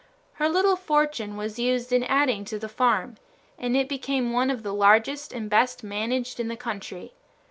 Her little fortune was used in adding to the farm, and it became one of the largest and best managed in the country.